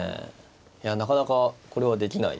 いやなかなかこれはできないですね。